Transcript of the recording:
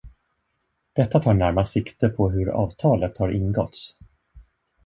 Detta tar närmast sikte på hur avtalet har ingåtts.